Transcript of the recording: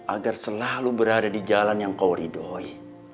agar selalu berada di jalan yang kau ridhoi